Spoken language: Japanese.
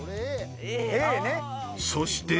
［そして］